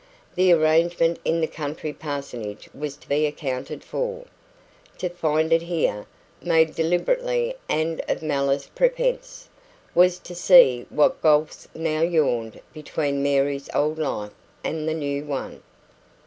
The arrangement in the country parsonage was to be accounted for; to find it here, made deliberately and of MALICE PREPENSE, was to see what gulfs now yawned between Mary's old life and the new one.